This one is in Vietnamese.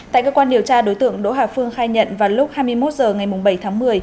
tại cơ quan điều tra đối tượng đỗ hà phương khai nhận vào lúc hai mươi một h ngày bảy tháng một mươi